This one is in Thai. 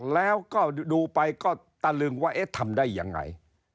แล้วก็ดูไปก็ตะลึงว่าเอ๊ะทำได้ยังไง